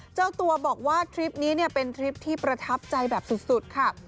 เจ้าตัวบอกว่าทริปนี้เป็นทริปที่ประทับใจแบบสุดค่ะ